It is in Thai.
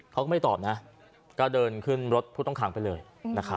เขาก็ไม่ตอบนะก็เดินขึ้นรถผู้ต้องขังไปเลยนะครับ